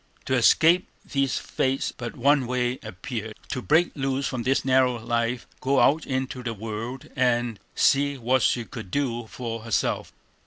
To escape these fates but one way appeared; to break loose from this narrow life, go out into the world and see what she could do for herself.